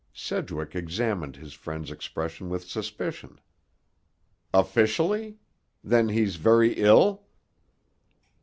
Sedgwick examined his friend's expression with suspicion. "Officially? Then he's very ill."